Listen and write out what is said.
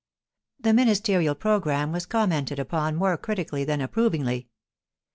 The Ministerial programme was commented up>on more critically than approvingly.